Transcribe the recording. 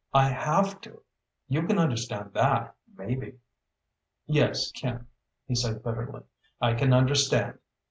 I have to. You can understand that, maybe." "Yes, Kim," he said bitterly. "I can understand.